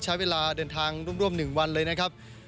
ใช้เวลาเดินทางร่วม๑วันเลยนะครับ